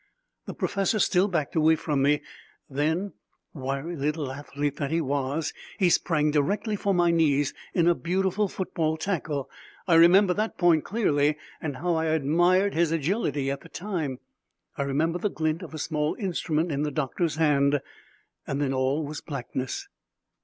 The professor still backed away from me; then, wiry little athlete that he was, he sprang directly for my knees in a beautiful football tackle. I remember that point clearly and how I admired his agility at the time. I remember the glint of a small instrument in the doctor's hand. Then all was blackness.